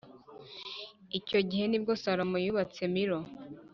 Icyo gihe ni bwo Salomo yubatse Milo